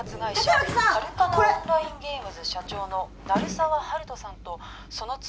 これハルカナ・オンライン・ゲームズ社長の鳴沢温人さんとその妻